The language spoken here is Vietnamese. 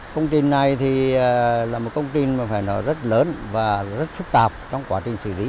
công trình này là một công trình rất lớn và rất phức tạp trong quá trình xử lý